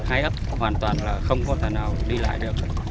hai ấp hoàn toàn là không có thể nào đi lại được